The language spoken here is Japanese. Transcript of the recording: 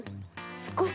少し。